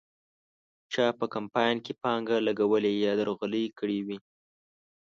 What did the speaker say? چا په کمپاین کې پانګه لګولې یا درغلۍ کړې وې.